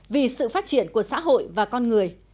vì sự phát triển của xã hội và con người